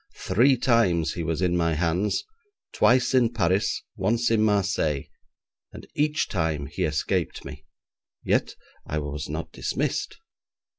Three times he was in my hands twice in Paris, once in Marseilles and each time he escaped me; yet I was not dismissed.